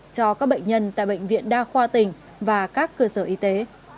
cho các bệnh nhân tại bệnh viện đa khoa tỉnh và các cơ sở y tế